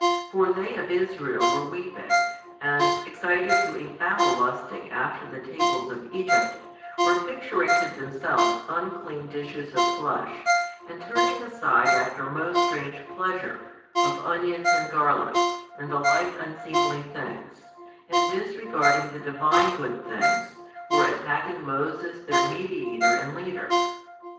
For they of Israel were weeping and, excited to a foul lusting after the tables of Egypt, were picturing to themselves unclean dishes of flesh, and turning aside after most strange pleasure, of onions and garlic, and the like unseemly things, and disregarding the Divine good things, were attacking Moses their mediator and leader.